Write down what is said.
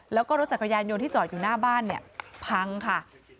แล้วก็รถจักรยานยนต์ที่จอดอยู่หน้าบ้านเนี่ยพังค่ะ